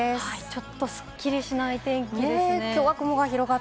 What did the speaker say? ちょっとすっきりしないお天気ですね。